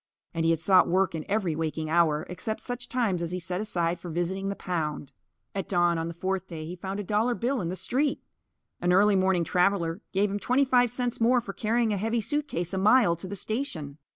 And he had sought work in every waking hour, except such times as he set aside for visiting the pound. At dawn on the fourth day he found a dollar bill in the street. An early morning traveller gave him twenty five cents more for carrying a heavy suit case a mile to the station.